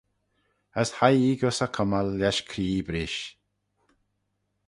As hie ee gys e cummal lesh cree brisht.